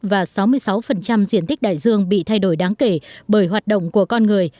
và sáu mươi sáu diện tích đại dương bị thay đổi đáng kể bởi hoạt động của con người